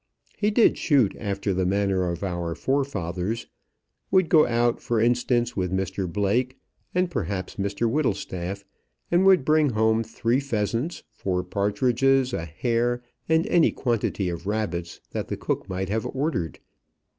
He did shoot after the manner of our forefathers; would go out, for instance, with Mr Blake, and perhaps Mr Whittlestaff, and would bring home three pheasants, four partridges, a hare, and any quantity of rabbits that the cook might have ordered.